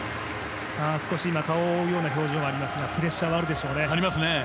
少し今顔を覆うような表情がありますがプレッシャーがあるでしょうね。